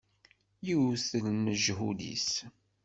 Iwwet lmeǧhud-is.